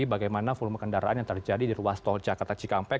bagaimana volume kendaraan yang terjadi di ruas tol jakarta cikampek